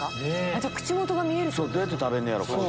じゃあ口元が見えるってこと？